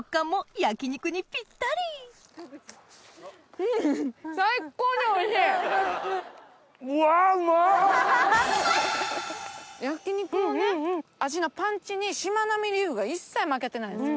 焼肉のね味のパンチにしまなみリーフが一切負けてないんですよ。